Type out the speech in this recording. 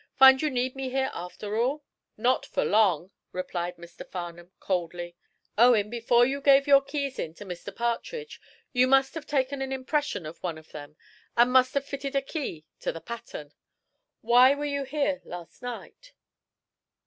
Find you need me here, after all?" "Not for long," replied Mr. Farnum, coldly. "Owen, before you gave your keys in to Mr. Partridge you must have taken an impression of one of them and must have fitted a key to the pattern. Why were you here last night?"